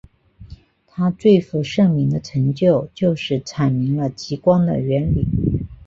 他最负盛名的成就是阐明了极光的原理。